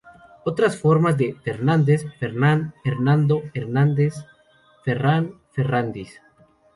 Otras formas de "Fernández": "Fernán", "Hernando", "Hernández", "Ferrán", "Ferrandis"...